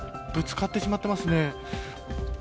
ぶつかってしまっていますね。